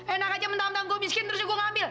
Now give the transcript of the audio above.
enak saja menanggung saya miskin terus saya ambil